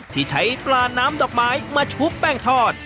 ที่ใช้ปลาน้ำดอกไม้มาชุบแป้งทอด